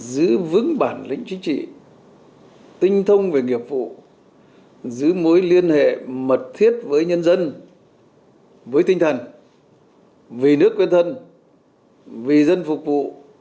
giữ vững bản lĩnh chính trị tinh thông về nghiệp vụ giữ mối liên hệ mật thiết với nhân dân với tinh thần vì nước quên thân vì dân phục vụ